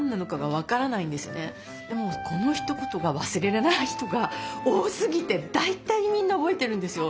でもこのひと言が忘れられない人が多すぎて大体みんな覚えてるんですよ。